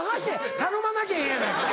頼まなきゃええやないかい。